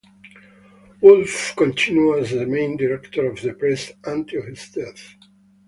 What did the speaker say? Woolf continued as the main director of the Press until his death.